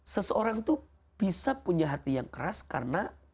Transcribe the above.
seseorang itu bisa punya hati yang keras karena